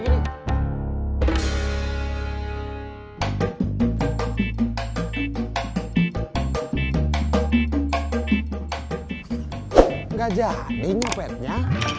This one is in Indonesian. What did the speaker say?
tidak jadi nyobetnya